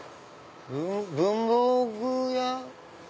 文房具屋？